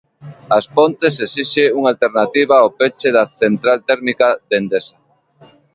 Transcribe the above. As Pontes esixe unha alternativa ao peche da central térmica de Endesa.